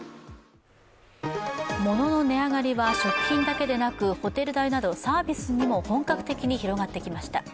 物の値上がりは食品だけではなくホテル代などサービスにも本格的に広がってきました。